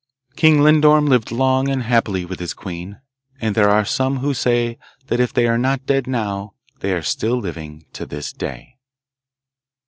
King Lindorm lived long and happily with his queen, and there are some who say that if they are not dead now they are still living to this day.